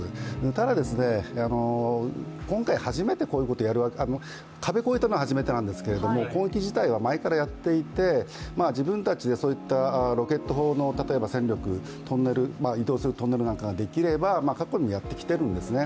ただ、今回初めてこういうことをやるのではなく攻撃自体は前からやっていて、自分たちでそういったロケット砲の戦力移動できるトンネルなんかができれば過去にやってきているんです。